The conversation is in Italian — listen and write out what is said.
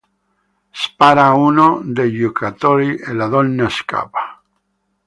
Spara a uno dei giocattoli e la donna scappa.